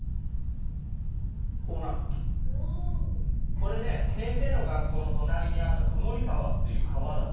これね先生の学校の隣にあったくもり沢っていう川だったの。